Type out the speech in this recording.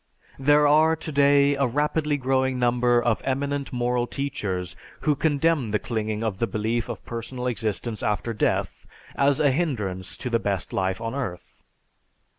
There are today a rapidly growing number of eminent moral teachers who condemn the clinging to the belief of personal existence after death as a hindrance to the best life on earth.